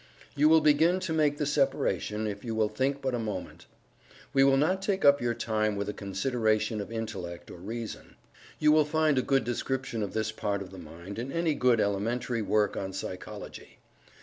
You will begin to make the separation, if you will think but a moment. We will not take up your time with a consideration of Intellect or Reason. You will find a good description of this part of the mind in any good elementary work on Psychology.